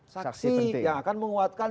saksi yang akan menguatkan